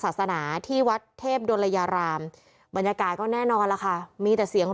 ศาสนาที่วัดเทพดลยารามบรรยากาศก็แน่นอนล่ะค่ะมีแต่เสียง